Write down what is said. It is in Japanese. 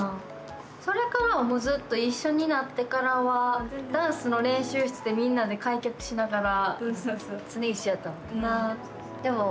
それからは、もうずっと一緒になってからはダンスの練習室でみんなで解決しながら。